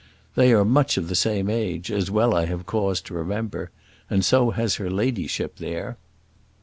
They are much of the same age, as well I have cause to remember; and so has her ladyship there."